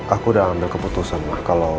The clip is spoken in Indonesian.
aku udah ambil keputusan ma kalau